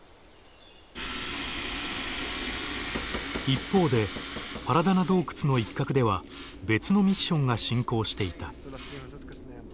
一方でパラダナ洞窟の一角では別のミッションが進行していた。